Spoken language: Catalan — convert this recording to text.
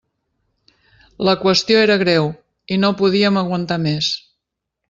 La qüestió era greu i no podíem aguantar més.